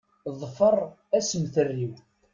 Ḍfeṛ assemter-iw!